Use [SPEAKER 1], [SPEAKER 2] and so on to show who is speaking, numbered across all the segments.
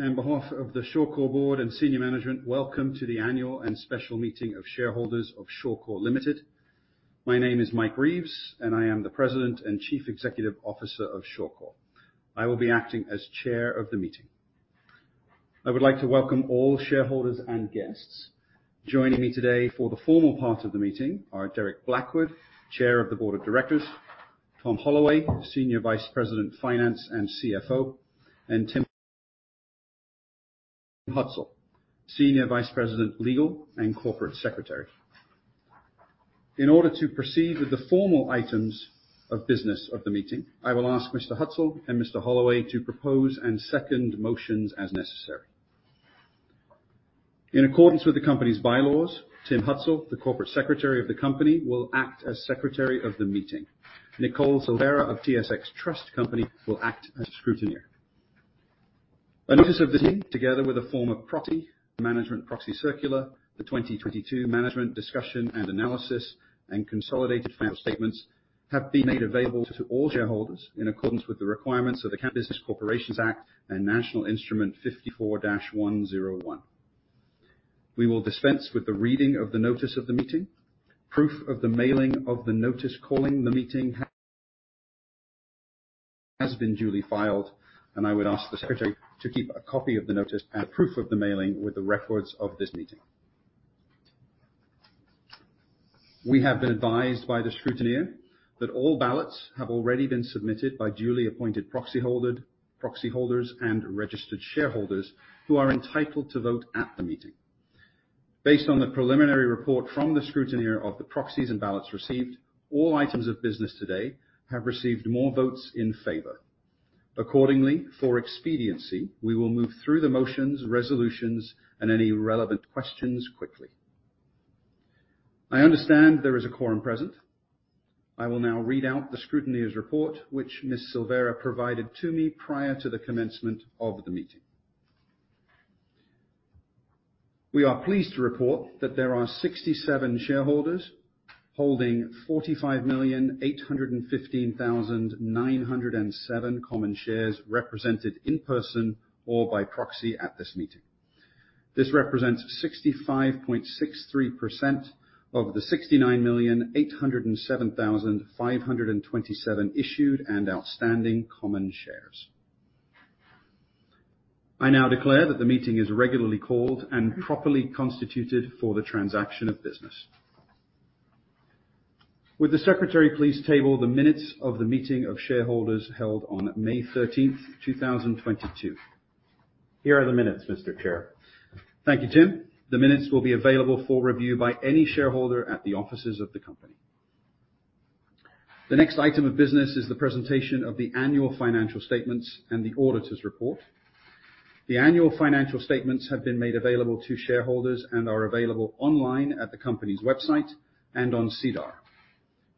[SPEAKER 1] On behalf of the Shawcor Board and senior management, welcome to the annual and special meeting of shareholders of Shawcor Ltd. My name is Mike Reeves. I am the President and Chief Executive Officer of Shawcor. I will be acting as Chair of the meeting. I would like to welcome all shareholders and guests. Joining me today for the formal part of the meeting are Derek Blackwood, Chair of the Board of Directors, Tom Holloway, Senior Vice President, Finance and CFO, Tim Hutzul, Senior Vice President, Legal and Corporate Secretary. In order to proceed with the formal items of business of the meeting, I will ask Mr. Hutzul and Mr. Holloway to propose and second motions as necessary. In accordance with the company's bylaws, Tim Hutzul, the Corporate Secretary of the company, will act as Secretary of the meeting. Nicole Silvera of TSX Trust Company will act as scrutineer. A notice of this meeting together with a form of proxy, management proxy circular, the 2022 management discussion and analysis and consolidated financial statements have been made available to all shareholders in accordance with the requirements of the Canada Business Corporations Act and National Instrument 54-101. We will dispense with the reading of the notice of the meeting. Proof of the mailing of the notice calling the meeting has been duly filed, and I would ask the secretary to keep a copy of the notice and proof of the mailing with the records of this meeting. We have been advised by the scrutineer that all ballots have already been submitted by duly appointed proxyholder, proxyholders and registered shareholders who are entitled to vote at the meeting. Based on the preliminary report from the scrutineer of the proxies and ballots received, all items of business today have received more votes in favor. For expediency, we will move through the motions, resolutions, and any relevant questions quickly. I understand there is a quorum present. I will now read out the scrutineer's report, which Ms. Silvera provided to me prior to the commencement of the meeting. We are pleased to report that there are 67 shareholders holding 45,815,907 common shares represented in person or by proxy at this meeting. This represents 65.63% of the 69,807,527 issued and outstanding common shares. I now declare that the meeting is regularly called and properly constituted for the transaction of business. Would the secretary please table the minutes of the meeting of shareholders held on May thirteenth, 2022.
[SPEAKER 2] Here are the minutes, Mr. Chair.
[SPEAKER 1] Thank you, Tim. The minutes will be available for review by any shareholder at the offices of the company. The next item of business is the presentation of the annual financial statements and the auditor's report. The annual financial statements have been made available to shareholders and are available online at the company's website and on SEDAR.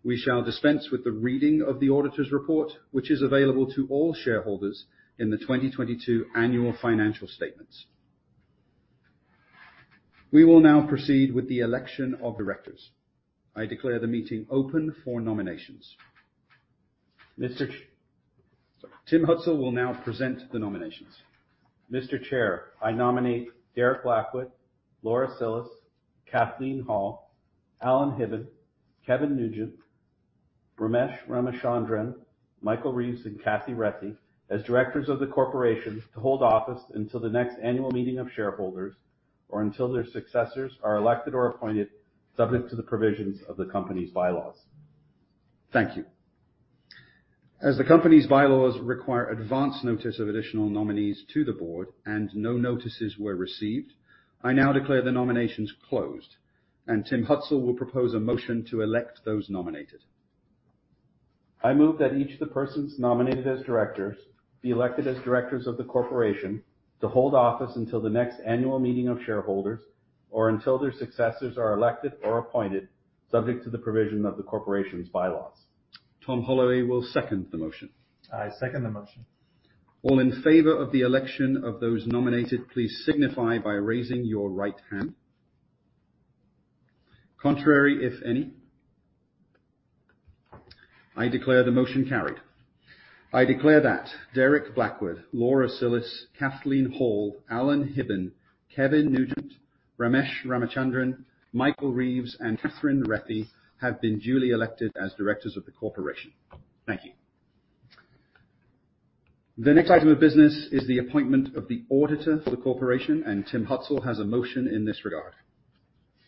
[SPEAKER 1] We shall dispense with the reading of the auditor's report, which is available to all shareholders in the 2022 annual financial statements. We will now proceed with the election of directors. I declare the meeting open for nominations.
[SPEAKER 2] Mr.-
[SPEAKER 1] Sorry. Tim Hutzul will now present the nominations.
[SPEAKER 2] Mr. Chair, I nominate Derek Blackwood, Laura Cillis, Kathleen Hall, Alan Hibben, Kevin Nugent, Ramesh Ramachandran, Michael Reeves, and Kathy Retty as directors of the corporation to hold office until the next annual meeting of shareholders or until their successors are elected or appointed, subject to the provisions of the company's bylaws.
[SPEAKER 1] Thank you. As the company's bylaws require advance notice of additional nominees to the board and no notices were received, I now declare the nominations closed. Tim Hutzul will propose a motion to elect those nominated.
[SPEAKER 2] I move that each of the persons nominated as directors be elected as directors of the corporation to hold office until the next annual meeting of shareholders or until their successors are elected or appointed, subject to the provision of the corporation's bylaws.
[SPEAKER 1] Tom Holloway will second the motion.
[SPEAKER 3] I second the motion.
[SPEAKER 1] All in favor of the election of those nominated, please signify by raising your right hand. Contrary, if any. I declare the motion carried. I declare that Derek Blackwood, Laura Cillis, Kathleen Hall, Alan Hibben, Kevin Nugent, Ramesh Ramachandran, Michael Reeves, and Katherine Rethy have been duly elected as directors of the corporation. Thank you. The next item of business is the appointment of the auditor for the corporation, Tim Hutzul has a motion in this regard.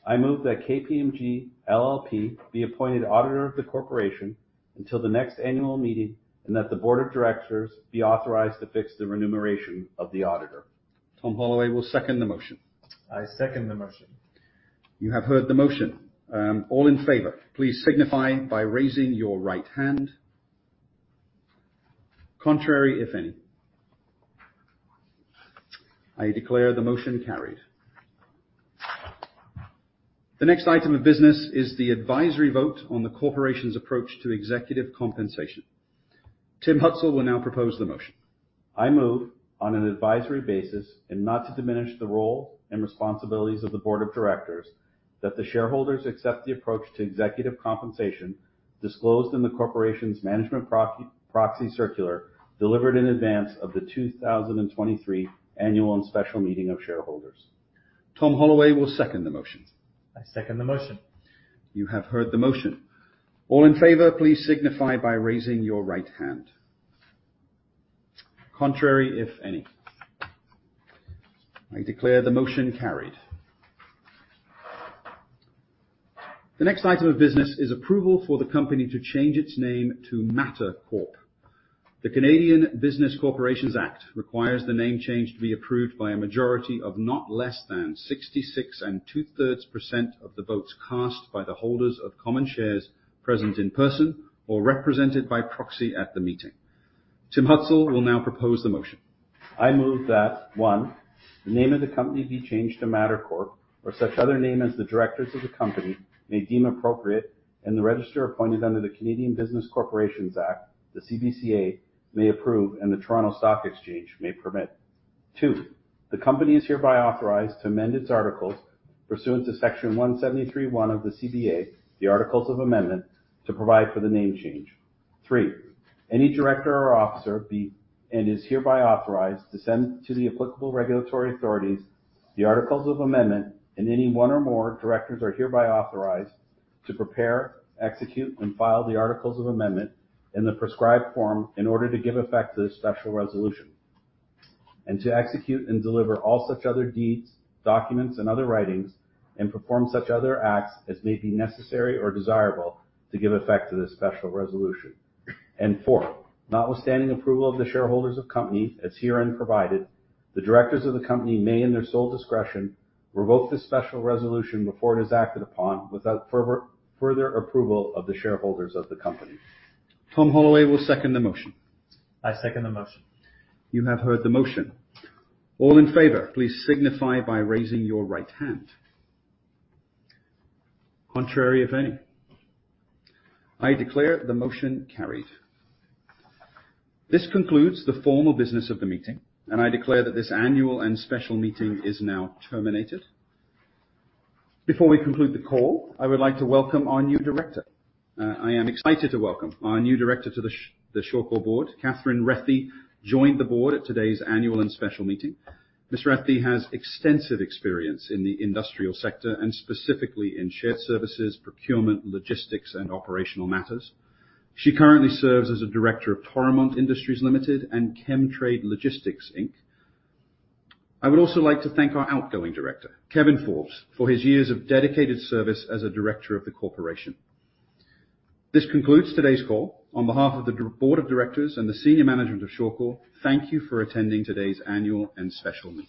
[SPEAKER 2] I move that KPMG LLP be appointed auditor of the corporation until the next annual meeting, and that the board of directors be authorized to fix the remuneration of the auditor.
[SPEAKER 1] Tom Holloway will second the motion.
[SPEAKER 3] I second the motion.
[SPEAKER 1] You have heard the motion. All in favor, please signify by raising your right hand. Contrary, if any. I declare the motion carried. The next item of business is the advisory vote on the corporation's approach to executive compensation. Tim Hutzul will now propose the motion.
[SPEAKER 2] I move on an advisory basis and not to diminish the role and responsibilities of the board of directors. That the shareholders accept the approach to executive compensation disclosed in the corporation's management proxy circular, delivered in advance of the 2023 annual and special meeting of shareholders. Tom Holloway will second the motion. I second the motion. You have heard the motion. All in favor, please signify by raising your right hand. Contrary, if any. I declare the motion carried. The next item of business is approval for the company to change its name to Mattr Corp. The Canada Business Corporations Act requires the name change to be approved by a majority of not less than 66 and 2/3% of the votes cast by the holders of common shares present in person or represented by proxy at the meeting. Tim Hutzul will now propose the motion. I move that, one, the name of the company be changed to Mattr Corp., or such other name as the directors of the company may deem appropriate, and the register appointed under the Canada Business Corporations Act, the CBCA, may approve and the Toronto Stock Exchange may permit. Two, the company is hereby authorized to amend its articles pursuant to Section 173(1) of the CBCA, the Articles of Amendment, to provide for the name change. Three, any director or officer be, and is hereby authorized, to send to the applicable regulatory authorities the Articles of Amendment, and any one or more directors are hereby authorized to prepare, execute, and file the Articles of Amendment in the prescribed form in order to give effect to this special resolution, and to execute and deliver all such other deeds, documents, and other writings, and perform such other acts as may be necessary or desirable to give effect to this special resolution. Four, notwithstanding approval of the shareholders of company as herein provided, the directors of the company may, in their sole discretion, revoke this special resolution before it is acted upon, without further approval of the shareholders of the company.
[SPEAKER 1] Tom Holloway will second the motion.
[SPEAKER 3] I second the motion.
[SPEAKER 1] You have heard the motion. All in favor, please signify by raising your right hand. Contrary, if any. I declare the motion carried. This concludes the formal business of the meeting, and I declare that this annual and special meeting is now terminated. Before we conclude the call, I would like to welcome our new director. I am excited to welcome our new director to the Shawcor board. Katherine Rethy joined the board at today's annual and special meeting. Ms. Rethy has extensive experience in the industrial sector and specifically in shared services, procurement, logistics, and operational matters. She currently serves as a director of Toromont Industries Ltd. and Chemtrade Logistics, Inc. I would also like to thank our outgoing director, Kevin Forbes, for his years of dedicated service as a director of the corporation. This concludes today's call. On behalf of the board of directors and the senior management of Shawcor, thank you for attending today's annual and special meeting.